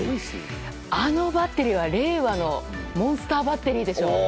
あのバッテリーは令和のモンスターバッテリーでしょ。